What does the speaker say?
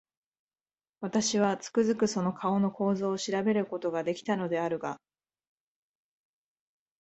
私は、つくづくその顔の構造を調べる事が出来たのであるが、